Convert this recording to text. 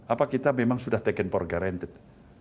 apa kita memang sudah terima keuangan